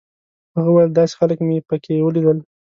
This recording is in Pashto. هغه ویل داسې خلک مې په کې ولیدل.